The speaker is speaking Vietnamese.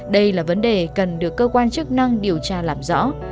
đây là vấn đề cần được cơ quan chức năng điều tra làm rõ